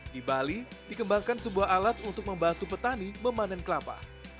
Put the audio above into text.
di bali dikembangkan sebuah alat untuk membantu petani memanen kelapa